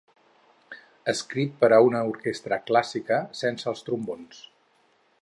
Escrit per a una orquestra clàssica, sense els trombons.